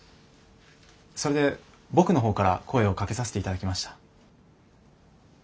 それで僕の方から声をかけさせて頂きました。